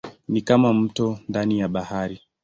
Ni kama mto ndani ya bahari.